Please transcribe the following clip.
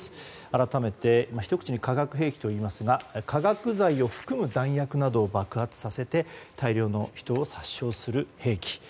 改めてひと口に化学兵器といいますが化学剤を含む弾薬などを爆発させて大量の人を殺傷する兵器。